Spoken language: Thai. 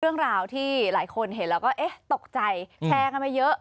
เรื่องราวที่หลายคนเห็นแล้วก็เอ๊ะตกใจแชร์กันมาเยอะ